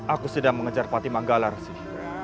aku sedang mengejar pati manggalar sih